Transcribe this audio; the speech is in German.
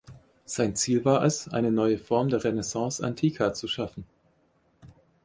Sein Ziel war es, eine neue Form der Renaissance-Antiqua zu schaffen.